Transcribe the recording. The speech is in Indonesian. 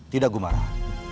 tidak gua marah